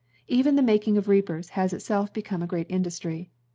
£ven the making of reapers has in itself become a great industry.